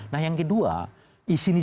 nah yang kedua disini